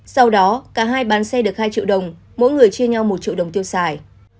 sau đó cả hai bán xe được hai triệu đồng mỗi người chia nhau một triệu đồng tiêu xài